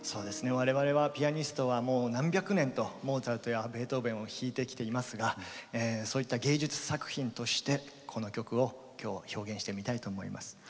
我々はピアニストはもう何百年とモーツァルトやベートーベンを弾いてきていますがそういった芸術作品としてこの曲を今日は表現してみたいと思います。